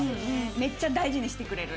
めっちゃ大事にしてくれる。